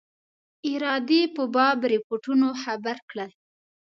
ارادې په باب رپوټونو خبر کړل.